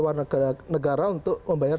warga negara untuk membayar